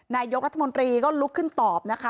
นายกรัฐมนตรีก็ลุกขึ้นตอบนะคะ